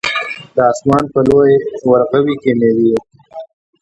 د اسمان په لوی ورغوي کې مې